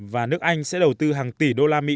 và nước anh sẽ đầu tư hàng tỷ đô la mỹ